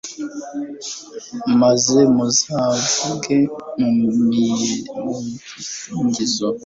maze muzavuge mu gisingizo